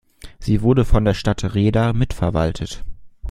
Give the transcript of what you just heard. Sie wurde von der Stadt Rheda mitverwaltet.